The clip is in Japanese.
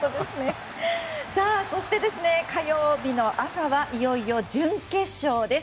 そして火曜日の朝はいよいよ準決勝です。